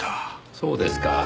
そうですか。